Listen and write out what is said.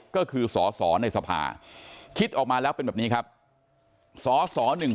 ๕๐๐ก็คือสอในสภาคิดออกมาแล้วเป็นแบบนี้ครับสอหนึ่ง